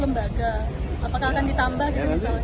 lembaga apakah akan ditambah gitu misalnya